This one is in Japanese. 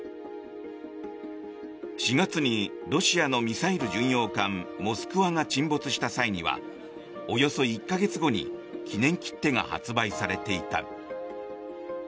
４月にロシアのミサイル巡洋艦「モスクワ」が沈没した際にはおよそ１か月後に記念切手が発売されていた。